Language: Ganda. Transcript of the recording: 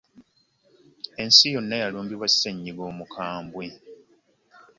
Ensi yonna yalumbibwa ssenyiga omukambwe.